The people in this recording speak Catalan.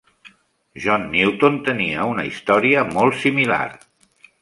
John Newton tenia una història molt similar.